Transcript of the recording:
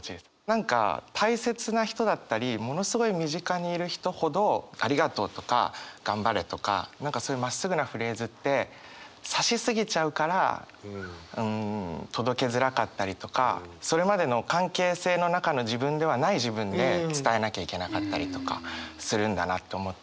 何か大切な人だったりものすごい身近にいる人ほど「ありがとう」とか「頑張れ」とかそういうまっすぐなフレーズってそれまでの関係性の中の自分ではない自分で伝えなきゃいけなかったりとかするんだなと思って。